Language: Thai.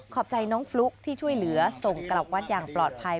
บใจน้องฟลุ๊กที่ช่วยเหลือส่งกลับวัดอย่างปลอดภัย